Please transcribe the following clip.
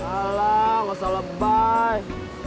alah gak usah lebay